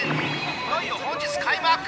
いよいよ本日開幕！！